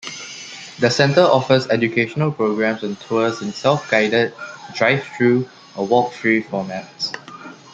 The center offers educational programs and tours in self-guided, drive-through or walk-through formats.